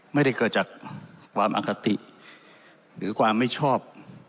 ไม่ได้เกิดจากความอคติหรือความไม่ชอบ